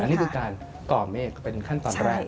นี่คือการก่อเมฆก็เป็นขั้นตอนแรก